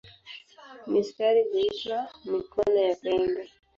Mistari huitwa "mikono" ya pembe.